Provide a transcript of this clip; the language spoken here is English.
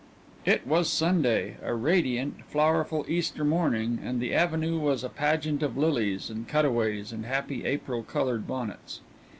It was Sunday, a radiant, flowerful Easter morning and the avenue was a pageant of lilies and cutaways and happy April colored bonnets.